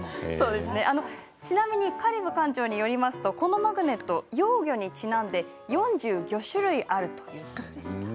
ちなみに香里武館長によりますとこのマグネット、幼魚にちなんでヨンジュウギョ種類あるということでした。